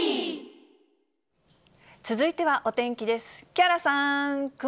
続いてはお天気です。